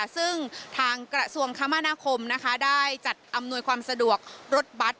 ซึ่งทางกระทรวงคมนาคมได้จัดอำนวยความสะดวกรถบัตร